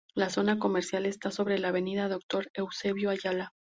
La zona comercial está sobre la avenida Doctor Eusebio Ayala.